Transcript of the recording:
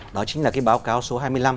đó chính là cái báo cáo số hai mươi năm